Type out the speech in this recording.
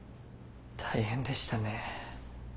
大変でしたね。